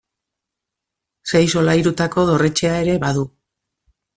Sei solairutako dorretxea ere badu.